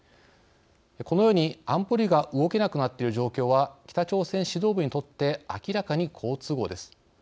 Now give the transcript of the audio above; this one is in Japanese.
このように安保理が動けなくなっている状況は北朝鮮指導部にとって明らかに好都合です。